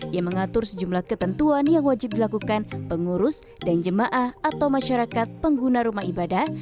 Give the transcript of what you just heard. yang mengatur sejumlah ketentuan yang wajib dilakukan pengurus dan jemaah atau masyarakat pengguna rumah ibadah